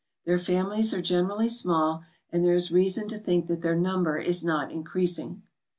Their families are generally small, and there is reason to think that their number is not increasing.